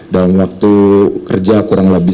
dalam waktu kerja kurang lebih